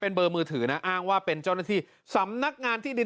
เบอร์มือถือนะอ้างว่าเป็นเจ้าหน้าที่สำนักงานที่ดิน